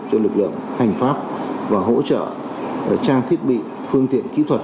cho lực lượng hành pháp và hỗ trợ trang thiết bị phương tiện kỹ thuật